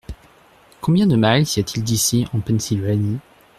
Combien de miles y a-t-il d’ici en Pennsylvanie ?